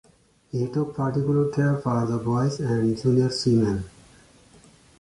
He took particular care for the boys and junior seamen.